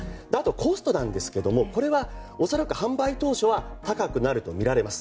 コストなんですがこれは、恐らく販売当初は高くなるとみられます。